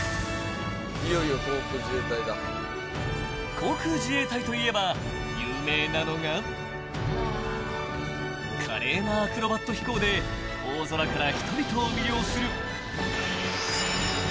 ［航空自衛隊といえば有名なのが華麗なアクロバット飛行で大空から人々を魅了する］